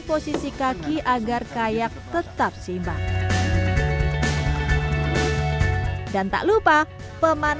posisi kaki agar kayak tetap seimbang dan tak lupa pemanas